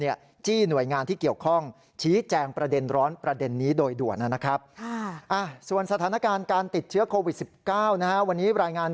อย่างภักด์เก้าไกล